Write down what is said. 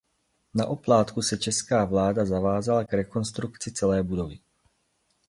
Na oplátku se česká vláda zavázala k rekonstrukci celé budovy.